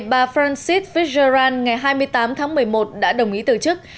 bà francis fir ngày hai mươi tám tháng một mươi một đã đồng ý từ chức